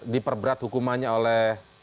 diperberat hukumannya oleh